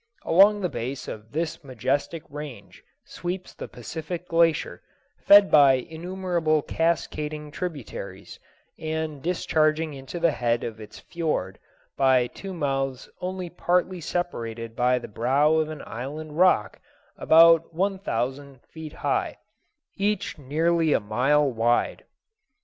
Along the base of this majestic range sweeps the Pacific Glacier, fed by innumerable cascading tributaries, and discharging into the head of its fiord by two mouths only partly separated by the brow of an island rock about one thousand feet high, each nearly a mile wide.